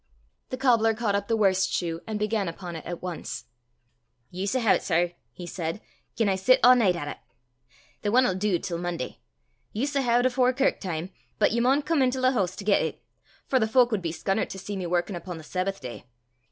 The cobbler caught up the worst shoe and began upon it at once. "Ye s' hae 't, sir," he said, "gien I sit a' nicht at it! The ane 'll du till Monday. Ye s' hae 't afore kirk time, but ye maun come intil the hoose to get it, for the fowk wud be scunnert to see me warkin' upo' the Sabbath day.